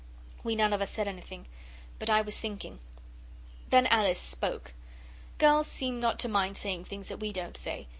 We none of us said anything. But I was thinking. Then Alice spoke. Girls seem not to mind saying things that we don't say.